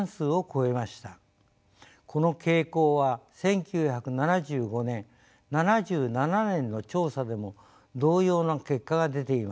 この傾向は１９７５年７７年の調査でも同様な結果が出ています。